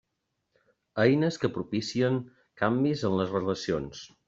Eines que propicien canvis en les relacions.